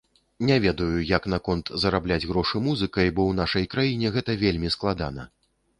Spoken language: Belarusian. Не ведаю, як наконт зарабляць грошы музыкай, бо ў нашай краіне гэта вельмі складана.